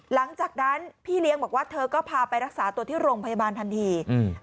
หลังจากนั้นพี่เลี้ยงบอกว่าเธอก็พาไปรักษาตัวที่โรงพยาบาลทันทีอืม